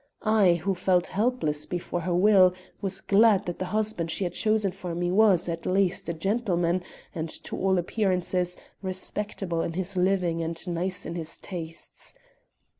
I, who felt helpless before her will, was glad that the husband she had chosen for me was, at least, a gentleman, and, to all appearances, respectable in his living and nice in his tastes.